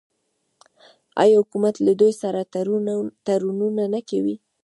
آیا حکومت له دوی سره تړونونه نه کوي؟